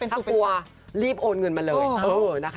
ถ้ากลัวรีบโอนเงินมาเลยนะคะ